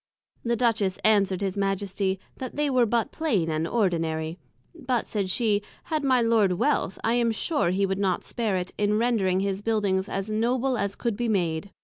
The Duchess answer'd his Majesty, That they were but plain and ordinary; but, said she, had my Lord Wealth, I am sure he would not spare it, in rendring his Buildings as Noble as could be made.